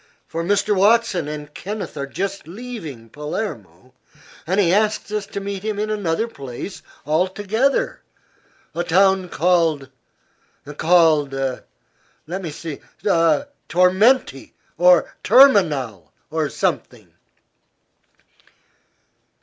For Mr. Watson and Kenneth are just leaving Palermo, and he asks us to meet him in another place altogether, a town called called let me see; Tormenti, or Terminal, or something."